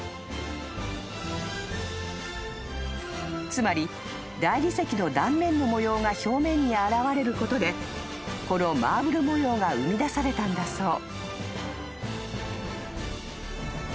［つまり大理石の断面の模様が表面に現れることでこのマーブル模様が生み出されたんだそう］